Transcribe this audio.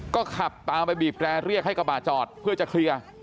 ก็ขับตามไปบีบแร่เรียกให้กระบะจอดเพื่อจะเคลียร์